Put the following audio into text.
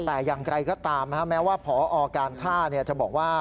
แต่อย่างไรก็ตามแม้ว่าพอการท่าจะบอกว่า